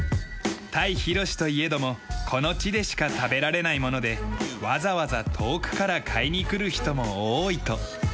タイ広しといえどもこの地でしか食べられないものでわざわざ遠くから買いに来る人も多いと。